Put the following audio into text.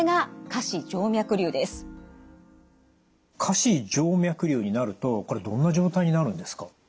下肢静脈瘤になるとこれどんな状態になるんですか？